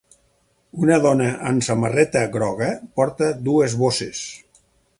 Una dona amb samarreta groga porta dues bosses.